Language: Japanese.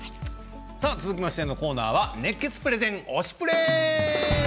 続きましてのコーナーは熱血プレゼン「推しプレ！」。